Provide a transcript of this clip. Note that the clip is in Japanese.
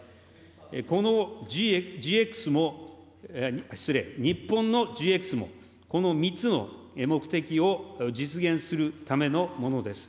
このＧＸも、失礼、日本のＧＸも、この３つの目的を実現するためのものです。